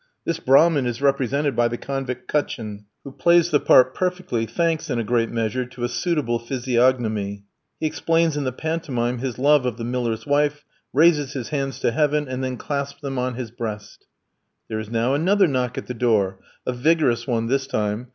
This Brahmin is represented by the convict Cutchin, who plays the part perfectly, thanks, in a great measure, to a suitable physiognomy. He explains in the pantomime his love of the miller's wife, raises his hands to heaven, and then clasps them on his breast. There is now another knock at the door a vigorous one this time.